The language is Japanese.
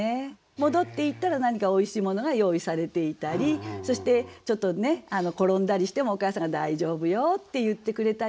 戻っていったら何かおいしいものが用意されていたりそしてちょっと転んだりしてもお母さんが「大丈夫よ」って言ってくれたりっていうね。